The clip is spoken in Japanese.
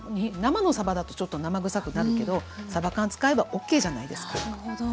生のさばだとちょっと生臭くなるけどさば缶使えばＯＫじゃないですか。